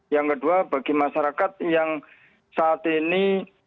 yang kedua bagi masyarakat yang saat ini